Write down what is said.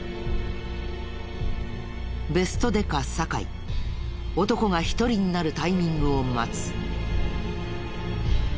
ベストデカ酒井男が一人になるタイミングを待つ。